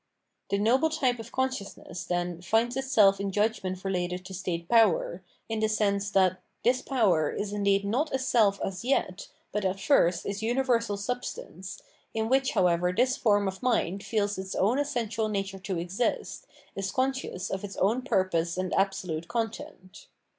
The noble type of consciousness, then, finds itself in the judgment related to state power, in the sense that this power is indeed not a self as yet but at first is universal substance, in which however this form of mind feels its own essential nature to exist, is conscious of its own purpose and absolute content.